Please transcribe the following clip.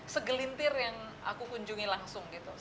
segelintir yang aku kunjungi langsung gitu